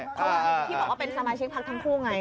พี่บอกว่าเป็นสมาชิกพักทั้งคู่ไง